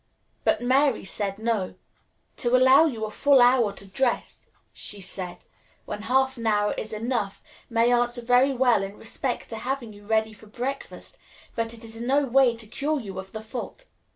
But Mary said no. "To allow you a full hour to dress," she said, "when half an hour is enough, may answer very well in respect to having you ready for breakfast, but it is no way to cure you of the fault.